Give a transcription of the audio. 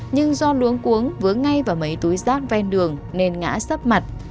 nhưng do luống cuống vướng ngay vào mấy túi rác ven đường nên ngã sắp mặt